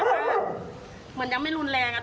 เหมือนยังไม่รุนแรกครับ